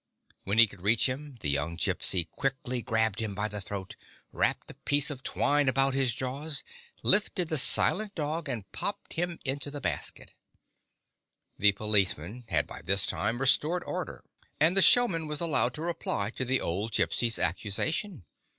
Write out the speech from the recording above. When he could reach him, the young Gypsy quickly grabbed him by the throat, wrapped a piece of 22 WITH THE FRENCH SHOWMAN twine about his jaws, lifted the silent clog, and popped him into the basket. The policeman had by this time restored order, and the showman was allowed to reply to the old Gypsy's accusation.